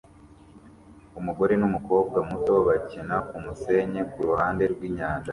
Umugore numukobwa muto bakina kumusenyi kuruhande rwinyanja